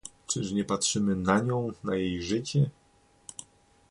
"Czyż nie patrzymy na nią, na jej życie?"